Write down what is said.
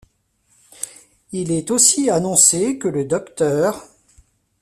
Il est aussi annoncé que le Dr.